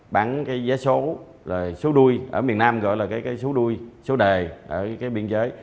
bảng cái giá số đuôi ở miền nam gọi là cái số đuôi số đề ở cái biên giới